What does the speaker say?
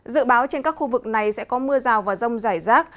dự báo trên các khu vực này sẽ có mưa rào và rông rải rác